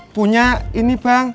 punya ini bang